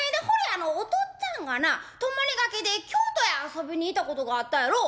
あのおとっつぁんがな泊まりがけで京都へ遊びに行ったことがあったやろ」。